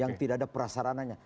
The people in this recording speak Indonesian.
yang tidak ada perasarananya